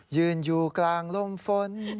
ยืนอยู่กลางลมฝน